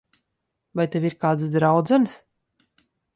Vai tev ir kādas draudzenes?